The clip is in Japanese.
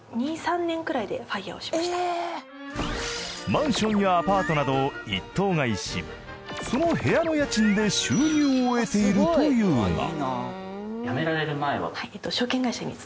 マンションやアパートなどを１棟買いしその部屋の家賃で収入を得ているというが。